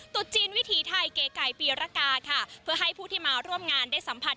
ตุจีนวิถีไทยเก๋ไก่ปีรกาค่ะเพื่อให้ผู้ที่มาร่วมงานได้สัมผัส